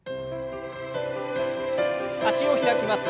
脚を開きます。